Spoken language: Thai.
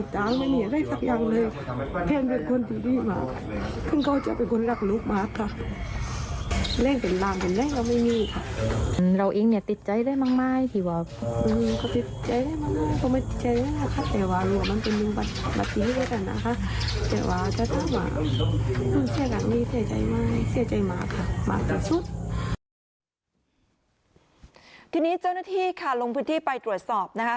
ทีนี้เจ้าหน้าที่ค่ะลงพื้นที่ไปตรวจสอบนะคะ